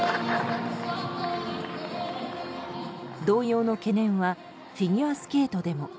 同様の懸念はフィギュアスケートでも。